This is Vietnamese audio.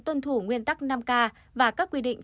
tuân thủ nguyên tắc năm k và các quy định